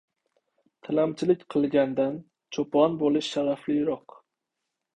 • Tilamchilik qilgandan cho‘pon bo‘lish sharafliroq.